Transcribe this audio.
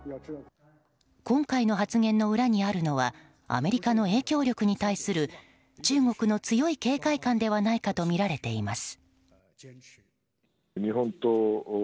今回の発言の裏にあるのはアメリカの影響力に対する中国の強い警戒感ではないかとみられています。